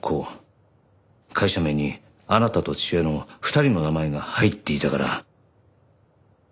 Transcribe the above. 会社名にあなたと父親の２人の名前が入っていたから。